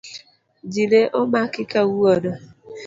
Ji ne omaki kawuono.